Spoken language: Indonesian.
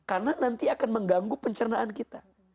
karena nanti akan mengganggu pencernaan kita